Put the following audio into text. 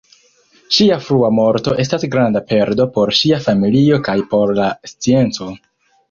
Ŝia frua morto estas granda perdo por ŝia familio kaj por la scienco.